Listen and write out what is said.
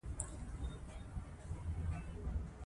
د ښوونکي درناوی د علم درناوی دی.